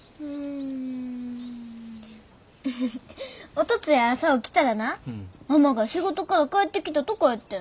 おとつい朝起きたらなママが仕事から帰ってきたとこやってん。